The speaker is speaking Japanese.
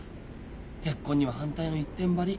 結婚には反対の一点張り。